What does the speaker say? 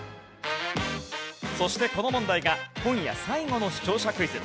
そしてこの問題が今夜最後の視聴者クイズ。